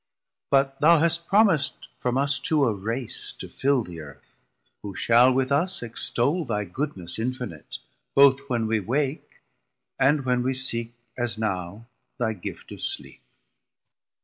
But thou hast promis'd from us two a Race To fill the Earth, who shall with us extoll Thy goodness infinite, both when we wake, And when we seek, as now, thy gift of sleep.